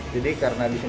jadi karena disini